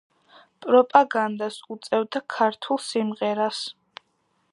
პროპაგანდას უწევდა ქართულ სიმღერას.